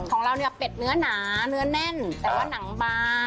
ของเราเนี่ยเป็ดเนื้อหนาเนื้อแน่นแต่ว่าหนังบาง